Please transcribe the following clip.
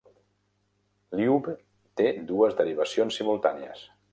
"Lyube" té dues derivacions simultànies.